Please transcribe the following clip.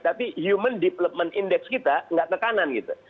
tapi human development index kita nggak ke kanan gitu